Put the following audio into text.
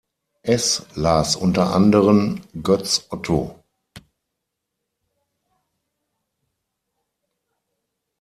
Es las unter anderen Götz Otto.